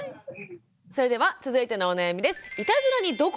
それでは続いてのお悩みです。